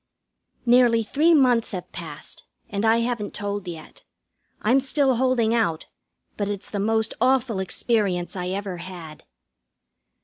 Nearly three months have passed, and I haven't told yet. I'm still holding out, but it's the most awful experience I ever had.